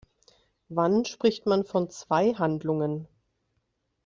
Wann spricht man von zwei Handlungen?